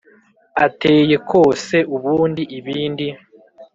ateye kose, ubundi ibindi